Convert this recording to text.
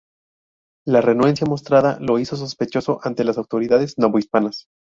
La renuencia mostrada lo hizo sospechoso ante las autoridades novohispanas.